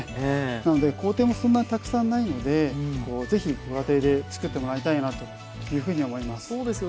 なので工程もそんなにたくさんないのでぜひご家庭で作ってもらいたいなというふうに思います。